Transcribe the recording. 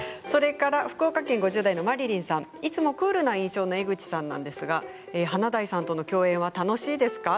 福岡県５０代の方いつもクールな印象の江口さんなんですが華大さんとの共演は楽しいですか？